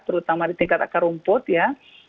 terutama di tingkat akar rumput ya